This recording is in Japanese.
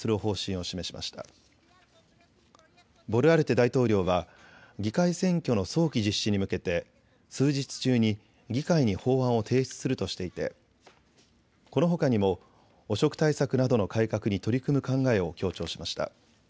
大統領は議会選挙の早期実施に向けて数日中に議会に法案を提出するとしていてこのほかにも汚職対策などの改革に取り組む考えを強調しました。